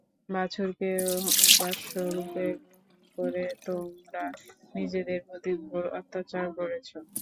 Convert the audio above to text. বাছুরকে উপাস্যরূপে গ্রহণ করে তোমরা নিজেদের প্রতি ঘোর অত্যাচার করেছ।